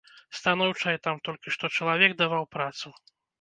Станоўчае там, толькі што чалавек даваў працу.